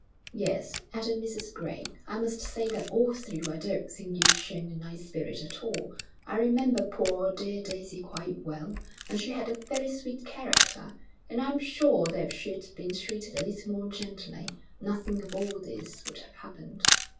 'Yes,' added Mrs Gray. 'I must say that all through I don't think you've shown a nice spirit at all. I remember poor, dear Daisy quite well, and she had a very sweet character. And I'm sure that if she'd been treated a little more gently, nothing of all this would have happened.'